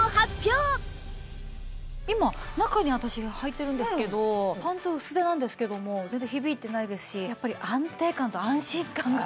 今中に私はいてるんですけどパンツ薄手なんですけども全然響いてないですしやっぱり安定感と安心感が。